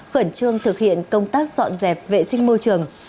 khẩn trương thực hiện công tác dọn dẹp vệ sinh môi trường